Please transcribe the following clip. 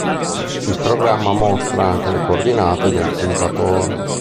Il programma mostra anche le coordinate del puntatore.